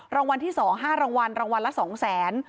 รางวัลที่๒๕รางวัลรางวัลละ๒๐๐๐๐๐บาท